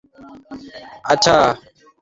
তোমার hair style অনেক cute.